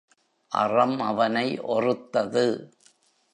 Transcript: அறம் அவனை ஒறுத்தது.